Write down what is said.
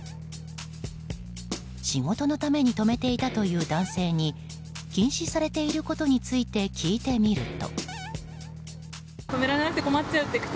仕事のために止めていたという男性に禁止されていることについて聞いてみると。